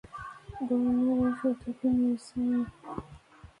বর্ণনার এই সূত্রটি মুরসাল।